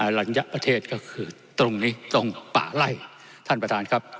ระยะประเทศก็คือตรงนี้ตรงป่าไล่ท่านประธานครับ